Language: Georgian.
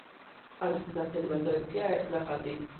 ამის ნათელი მაგალითია ეს ნახატი.